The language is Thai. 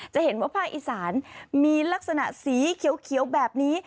จะเห็นว่าภาคอีสานมีลักษณะสีเขียวแบบนี้